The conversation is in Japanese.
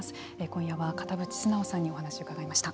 今夜は片渕須直さんにお話を伺いました。